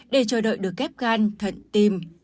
để chờ đợi được ghép gan thận tim